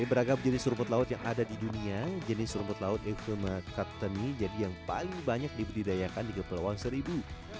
jadi beragam jenis rumput laut yang ada di dunia jenis rumput laut eukalmat katani jadi yang paling banyak diberdayakan di kepulauan seribu